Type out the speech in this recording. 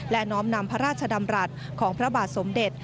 และน้อมนำพระราชดำรัฐของพระบาทสมเด็จ